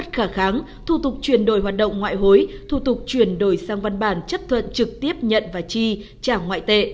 thủ tục chuyển đổi sang văn bản chấp thuận trực tiếp nhận và chi trả ngoại tệ